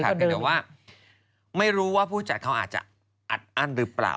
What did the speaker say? เพียงแต่ว่าไม่รู้ว่าผู้จัดเขาอาจจะอัดอั้นหรือเปล่า